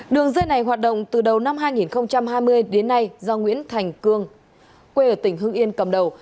đường dây này hoạt động từ đầu năm hai nghìn hai mươi đến nay do nguyễn thành cương quê ở tỉnh hưng yên cầm đầu